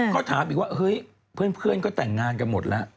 ก็ถามอีกว่าเฮ้ยเพื่อนก็แต่งงานกันหมดแล้ว